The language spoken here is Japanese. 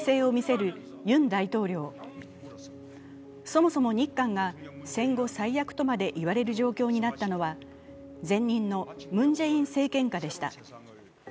そもそも日韓が戦後最悪とまでいわれる状況になったのは前任のムン・ジェイン政権下でした